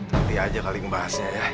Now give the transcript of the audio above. nanti aja kali membahasnya ya